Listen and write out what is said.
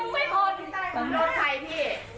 ไม่ต้องสงที